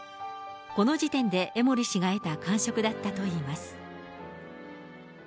この時点で江森氏が得た感触だったといいます。